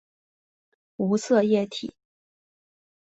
无色液体。